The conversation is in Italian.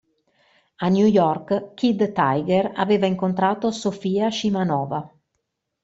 A New York, Kid Tiger aveva incontrato Sofia Scimanova.